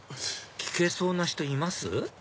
聞けそうな人います？